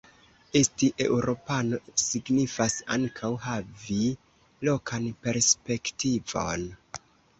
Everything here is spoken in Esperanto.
Esti eŭropano signifas ankaŭ havi lokan perspektivon".